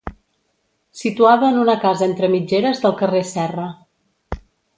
Situada en una casa entre mitgeres del carrer Serra.